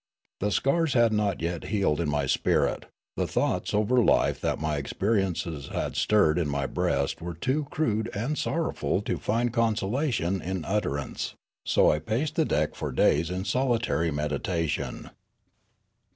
The scars had not 3'et healed in mj' spirit ; the thoughts over life that mj' experiences had stirred in my breast were too crude and sorrowful to find consolation in utterance ; so I paced the deck for days in solitary meditation.